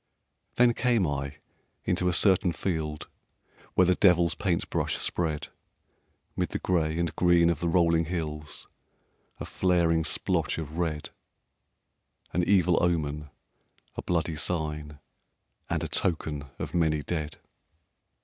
Then came I into a certain field Where the devil's paint brush spread 'Mid the gray and green of the rolling hills A flaring splotch of red, An evil omen, a bloody sign, And a token of many dead.